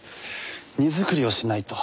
荷造りをしないと。